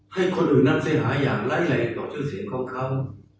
ให้คนอื่นนั้นจะหาอย่างไร้อะไรกับชื่อเสียงของเขา